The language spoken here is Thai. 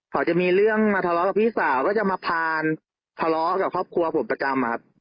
เขาจะมีเรื่องมาทะเลาะกับพี่สาวก็จะมาพานทะเลาะกับครอบครัวผมประจำครับ